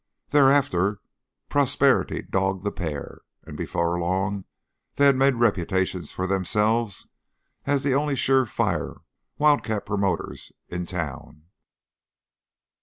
Thereafter prosperity dogged the pair, and before long they had made reputations for themselves as the only sure fire wildcat promoters in town.